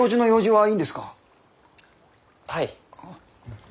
はい。